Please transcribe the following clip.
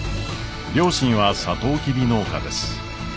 両親はサトウキビ農家です。